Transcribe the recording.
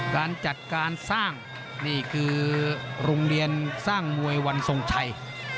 การจัดการสร้างนี่คือโรงเรียนสร้างมวยวันทรงชัย